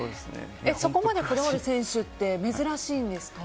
そこまでこだわる選手って珍しいんですか？